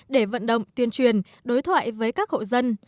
để vận động tuyên truyền đối thoại với các hộ dân